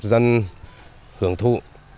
dân hưởng thụ